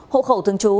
hộ khẩu thường trú